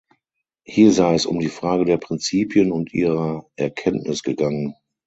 Hier sei es um die Frage der Prinzipien und ihrer Erkenntnis gegangen.